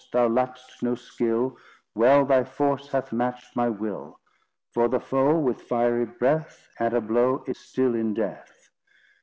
Thou lackst no skill; Well thy force Hath matched my will. For the foe With fiery breath, At a blow, Is still in death.